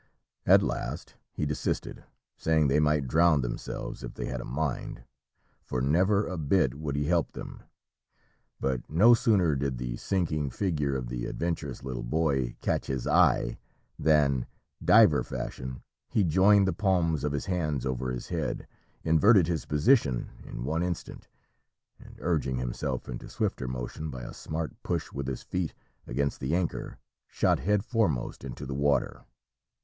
At last he desisted, saying they might drown themselves if they had a mind, for never a bit would he help them; but no sooner did the sinking figure of the adventurous little boy catch his eye, than, diver fashion, he joined the palms of his hands over his head, inverted his position in one instant, and urging himself into swifter motion by a smart push with his feet against the anchor, shot head foremost into the water.